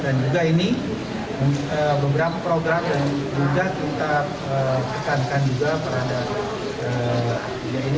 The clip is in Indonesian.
dan juga ini beberapa program yang juga kita tekankan juga